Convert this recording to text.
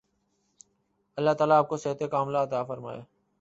اللہ تعالی آپ کو صحت ِکاملہ عطا فرمائے۔